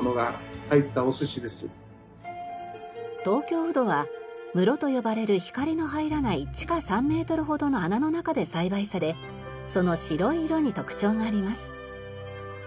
東京うどは室と呼ばれる光の入らない地下３メートルほどの穴の中で栽培されその白い色に特徴があります。